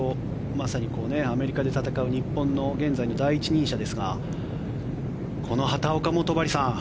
まさにアメリカで戦う日本の現在の第一人者ですがこの畑岡も、戸張さん